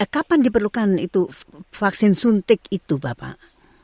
kapan diperlukan itu vaksin suntik itu bapak